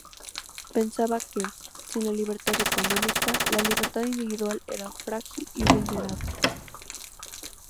Pensaba que, sin la libertad económica, la libertad individual era frágil y vulnerable.